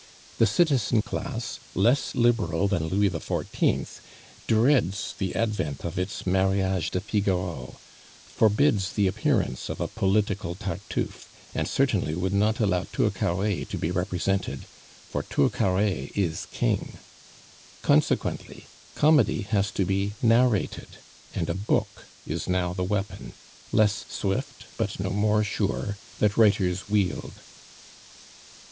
The citizen class, less liberal than Louis XIV., dreads the advent of its Mariage de Figaro, forbids the appearance of a political Tartuffe, and certainly would not allow Turcaret to be represented, for Turcaret is king. Consequently, comedy has to be narrated, and a book is now the weapon less swift, but no more sure that writers wield.